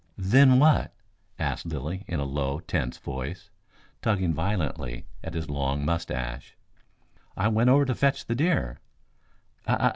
"Then what?" asked Lilly in a low, tense voice, tugging violently at his long moustache. "I went over to fetch the deer."